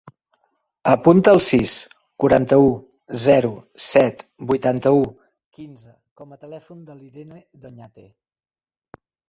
Apunta el sis, quaranta-u, zero, set, vuitanta-u, quinze com a telèfon de l'Irene Doñate.